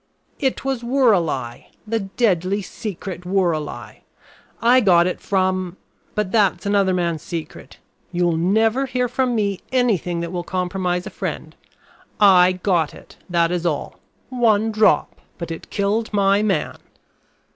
"It was woorali; the deadly, secret woorali. I got it from but that is another man's secret. You will never hear from me anything that will compromise a friend. I got it, that is all. One drop, but it killed my man."